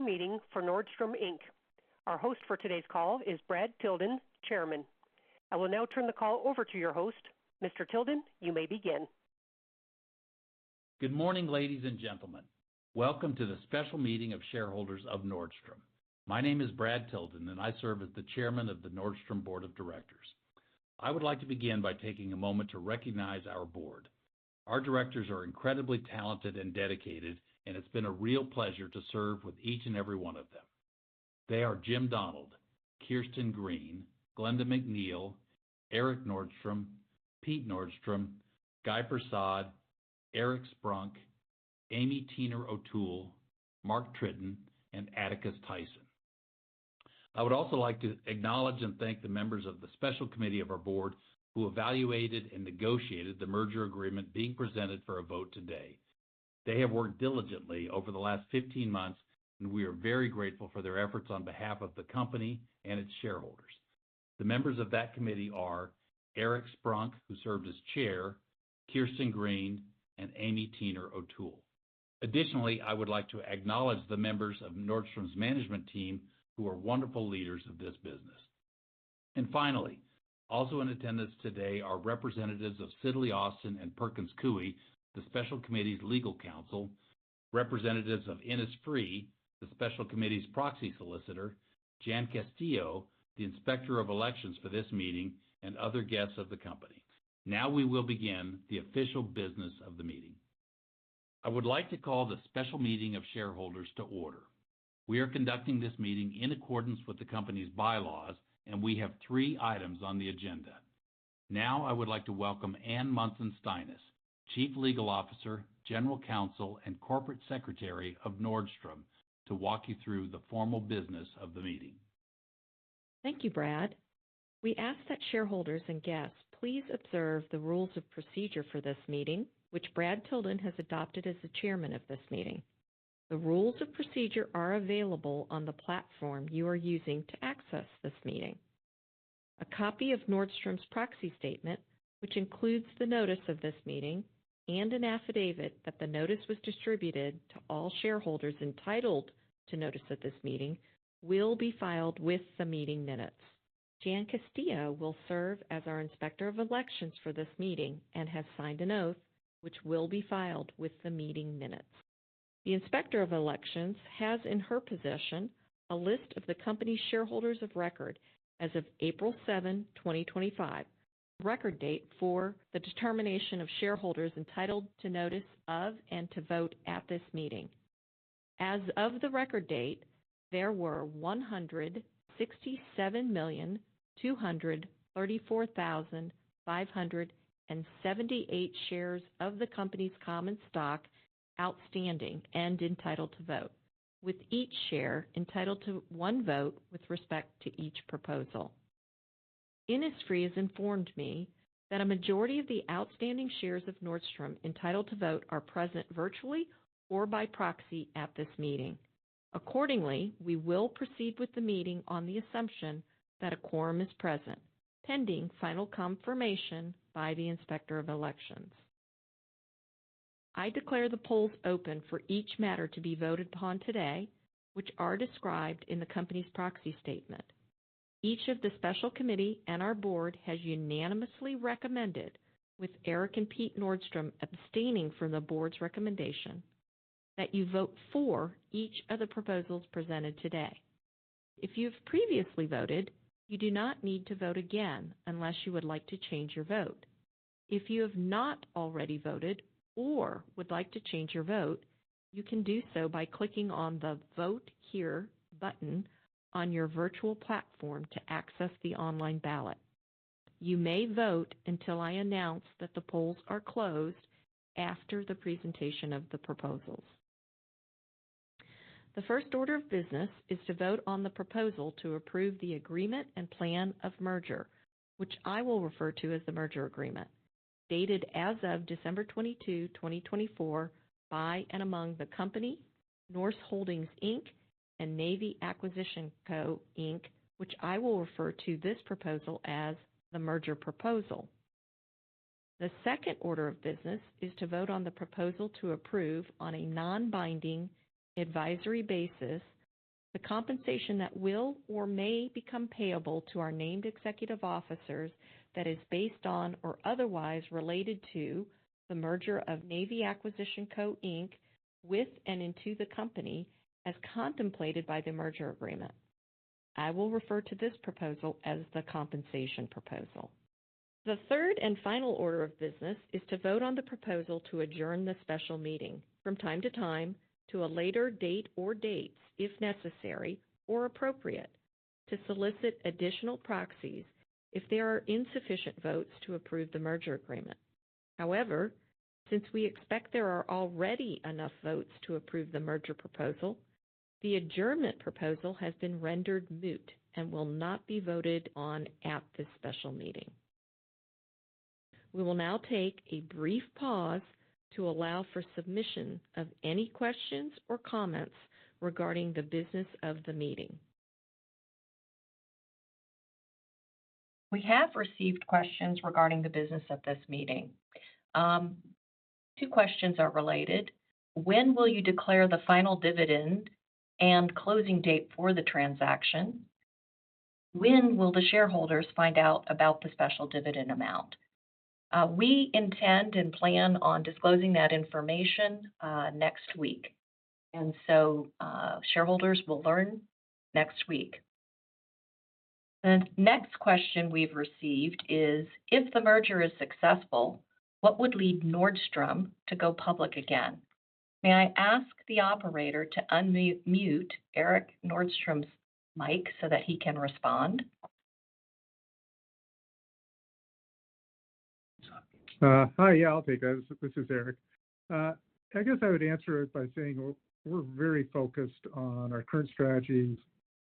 Special meeting for Nordstrom. Our host for today's call is Brad Tilden, Chairman. I will now turn the call over to your host. Mr. Tilden, you may begin. Good morning, ladies and gentlemen. Welcome to the special meeting of shareholders of Nordstrom. My name is Brad Tilden, and I serve as the Chairman of the Nordstrom Board of Directors. I would like to begin by taking a moment to recognize our board. Our directors are incredibly talented and dedicated, and it's been a real pleasure to serve with each and every one of them. They are Jim Donald, Kirsten Green, Glenda McNeal, Erik Nordstrom, Pete Nordstrom, Guy Persaud, Erik Sprunk, Amy Tina O'Toole, Mark Tritton, and Atticus Tyson. I would also like to acknowledge and thank the members of the special committee of our board who evaluated and negotiated the merger agreement being presented for a vote today. They have worked diligently over the last 15 months, and we are very grateful for their efforts on behalf of the company and its shareholders. The members of that committee are Erik Sprunk, who served as Chair, Kirsten Green, and Amy Tina O'Toole. Additionally, I would like to acknowledge the members of Nordstrom's management team who are wonderful leaders of this business. Finally, also in attendance today are representatives of Sidley Austin and Perkins Coie, the special committee's legal counsel, representatives of Innisfree, the special committee's proxy solicitor, Jan Castillo, the inspector of elections for this meeting, and other guests of the company. Now we will begin the official business of the meeting. I would like to call the special meeting of shareholders to order. We are conducting this meeting in accordance with the company's bylaws, and we have three items on the agenda. Now I would like to welcome Ann Munson-Steines, Chief Legal Officer, General Counsel, and Corporate Secretary of Nordstrom, to walk you through the formal business of the meeting. Thank you, Brad. We ask that shareholders and guests please observe the rules of procedure for this meeting, which Brad Tilden has adopted as the Chairman of this meeting. The rules of procedure are available on the platform you are using to access this meeting. A copy of Nordstrom's proxy statement, which includes the notice of this meeting and an affidavit that the notice was distributed to all shareholders entitled to notice of this meeting, will be filed with the meeting minutes. Jan Castillo will serve as our inspector of elections for this meeting and has signed an oath, which will be filed with the meeting minutes. The inspector of elections has, in her position, a list of the company's shareholders of record as of April 7, 2025, the record date for the determination of shareholders entitled to notice of and to vote at this meeting. As of the record date, there were 167,234,578 shares of the company's common stock outstanding and entitled to vote, with each share entitled to one vote with respect to each proposal. Innisfree has informed me that a majority of the outstanding shares of Nordstrom entitled to vote are present virtually or by proxy at this meeting. Accordingly, we will proceed with the meeting on the assumption that a quorum is present, pending final confirmation by the inspector of elections. I declare the polls open for each matter to be voted upon today, which are described in the company's proxy statement. Each of the special committee and our board has unanimously recommended, with Erik and Pete Nordstrom abstaining from the board's recommendation, that you vote for each of the proposals presented today. If you have previously voted, you do not need to vote again unless you would like to change your vote. If you have not already voted or would like to change your vote, you can do so by clicking on the Vote Here button on your virtual platform to access the online ballot. You may vote until I announce that the polls are closed after the presentation of the proposals. The first order of business is to vote on the proposal to approve the agreement and plan of merger, which I will refer to as the merger agreement, dated as of December 22, 2024, by and among the company, Norse Holdings Inc, and Navy Acquisition Co, Inc, which I will refer to this proposal as the merger proposal. The second order of business is to vote on the proposal to approve on a non-binding advisory basis the compensation that will or may become payable to our named executive officers that is based on or otherwise related to the merger of Navy Acquisition Co, Inc, with and into the company as contemplated by the merger agreement. I will refer to this proposal as the compensation proposal. The third and final order of business is to vote on the proposal to adjourn the special meeting from time to time to a later date or dates, if necessary or appropriate, to solicit additional proxies if there are insufficient votes to approve the merger agreement. However, since we expect there are already enough votes to approve the merger proposal, the adjournment proposal has been rendered moot and will not be voted on at this special meeting. We will now take a brief pause to allow for submission of any questions or comments regarding the business of the meeting. We have received questions regarding the business of this meeting. Two questions are related. When will you declare the final dividend and closing date for the transaction? When will the shareholders find out about the special dividend amount? We intend and plan on disclosing that information next week, and so shareholders will learn next week. The next question we've received is, if the merger is successful, what would lead Nordstrom to go public again? May I ask the operator to unmute Erik Nordstrom's mic so that he can respond? Hi, yeah, I'll take that. This is Erik. I guess I would answer it by saying we're very focused on our current strategies,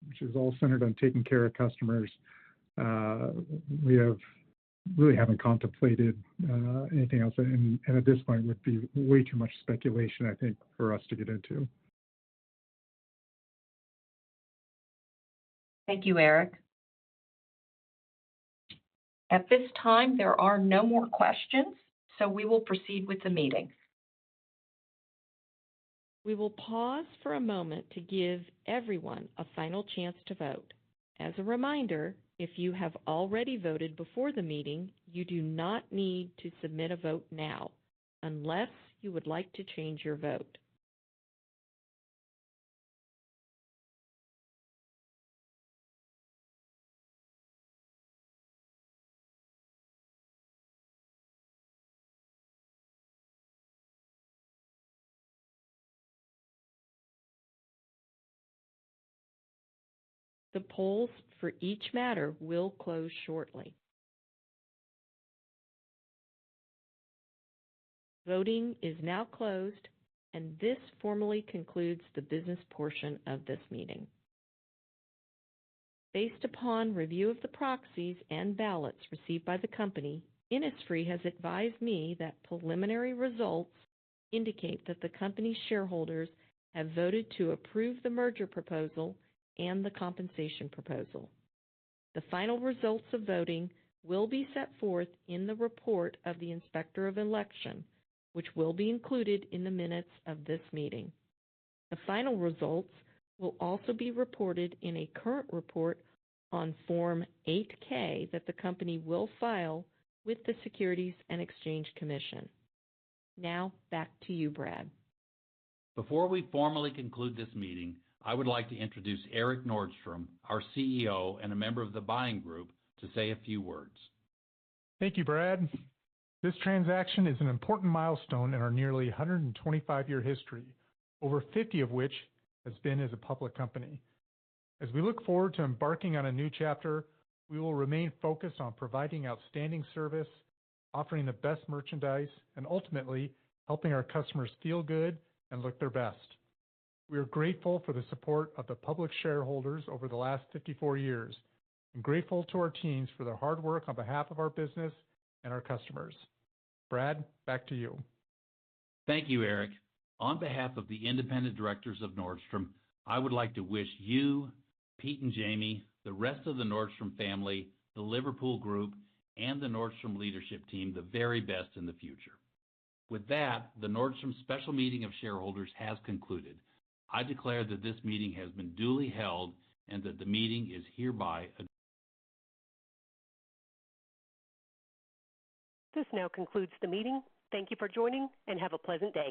which is all centered on taking care of customers. We really haven't contemplated anything else, and at this point, it would be way too much speculation, I think, for us to get into. Thank you, Erik. At this time, there are no more questions, so we will proceed with the meeting. We will pause for a moment to give everyone a final chance to vote. As a reminder, if you have already voted before the meeting, you do not need to submit a vote now unless you would like to change your vote. The polls for each matter will close shortly. Voting is now closed, and this formally concludes the business portion of this meeting. Based upon review of the proxies and ballots received by the company, Innisfree has advised me that preliminary results indicate that the company's shareholders have voted to approve the merger proposal and the compensation proposal. The final results of voting will be set forth in the report of the inspector of election, which will be included in the minutes of this meeting. The final results will also be reported in a current report on Form 8-K that the company will file with the Securities and Exchange Commission. Now, back to you, Brad. Before we formally conclude this meeting, I would like to introduce Erik Nordstrom, our CEO and a member of the buying group, to say a few words. Thank you, Brad. This transaction is an important milestone in our nearly 125-year history, over 50 of which has been as a public company. As we look forward to embarking on a new chapter, we will remain focused on providing outstanding service, offering the best merchandise, and ultimately helping our customers feel good and look their best. We are grateful for the support of the public shareholders over the last 54 years and grateful to our teams for their hard work on behalf of our business and our customers. Brad, back to you. Thank you, Erik. On behalf of the independent directors of Nordstrom, I would like to wish you, Pete and Jamie, the rest of the Nordstrom family, the Liverpool Group, and the Nordstrom leadership team the very best in the future. With that, the Nordstrom special meeting of shareholders has concluded. I declare that this meeting has been duly held and that the meeting is hereby adjourned. This now concludes the meeting. Thank you for joining, and have a pleasant day.